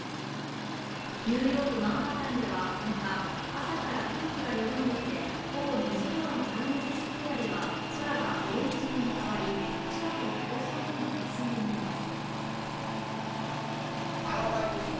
ニューヨーク・マンハッタンでは７日、朝から空気がよどんでいて午後２時ごろのタイムズスクエアでは空がオレンジ色に変わり、近くの高層ビルもかすんで見えます。